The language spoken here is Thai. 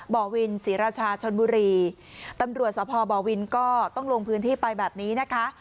บ่อวินศรีราชาชนบุรีตำรวจสพบวินก็ต้องลงพื้นที่ไปแบบนี้นะคะ